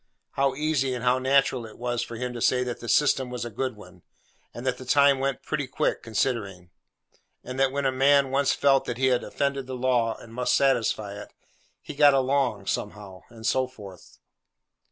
How easy and how natural it was for him to say that the system was a good one; and that the time went 'pretty quick—considering;' and that when a man once felt that he had offended the law, and must satisfy it, 'he got along, somehow:' and so forth!